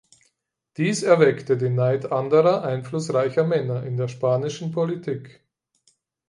Dies erweckte den Neid anderer einflussreicher Männer in der spanischen Politik.